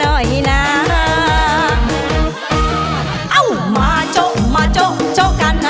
หน่อยน่าเอ้ามาโจ๊ะมาโจ๊ะโจ๊ะกันอ่ะ